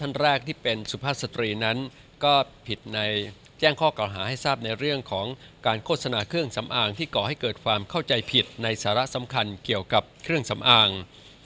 ท่านแรกที่เป็นสุภาพสตรีนั้นก็ผิดในแจ้งข้อเก่าหาให้ทราบในเรื่องของการโฆษณาเครื่องสำอางที่ก่อให้เกิดความเข้าใจผิดในสาระสำคัญเกี่ยวกับเครื่องสำอาง